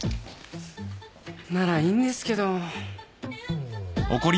ならいいんですけど。